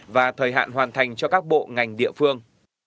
và thời hạn hoàn thành cho các bộ ngành địa phương